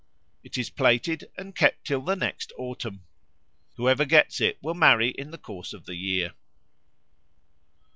It is plaited and kept till the (next?) autumn. Whoever gets it will marry in the course of the year.